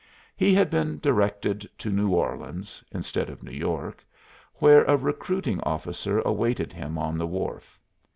He had been directed to New Orleans (instead of New York), where a recruiting officer awaited him on the wharf.